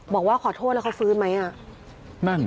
บอกว่าขอโทษแล้วเขาฟื้นไหม